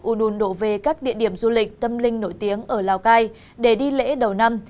u nun đổ về các địa điểm du lịch tâm linh nổi tiếng ở lào cai để đi lễ đầu năm